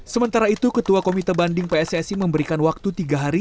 sementara itu ketua komite banding pssi memberikan waktu tiga hari